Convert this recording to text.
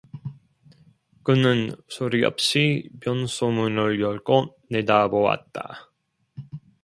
그는 소리 없이 변소문을 열고 내다보았다.